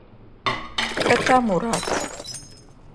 Хэта Мурат?